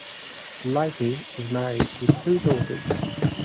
Lighty is married with two daughters.